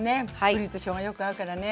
ぶりとしょうがよく合うからね。